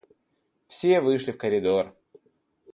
Все вышли в коридор.